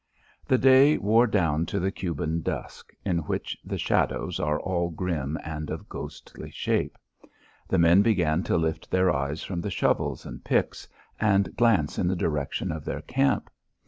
The day wore down to the Cuban dusk, in which the shadows are all grim and of ghostly shape. The men began to lift their eyes from the shovels and picks, and glance in the direction of their camp.